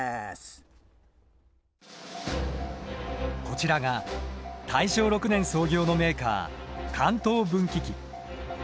こちらが大正６年創業のメーカー関東分岐器。